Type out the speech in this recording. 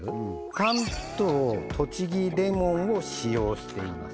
「関東・栃木レモンを使用しています」